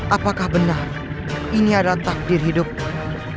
apakah benar ini adalah takdir hidupmu